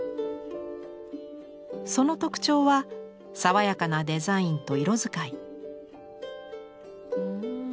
その特徴は爽やかなデザインと色使い。